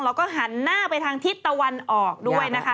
แล้วก็หันหน้าไปทางทิศตะวันออกด้วยนะคะ